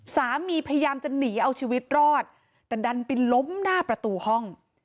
พยายามจะหนีเอาชีวิตรอดแต่ดันไปล้มหน้าประตูห้อง